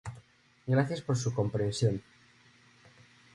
Gracias por su comprensión.